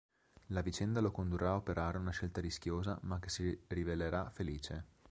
La vicenda lo condurrà a operare una scelta rischiosa ma che si rivelerà felice.